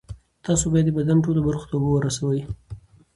تاسو باید د بدن ټولو برخو ته اوبه ورسوي.